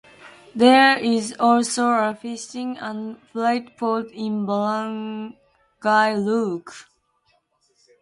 There is also a fishing and freight port in barangay Looc.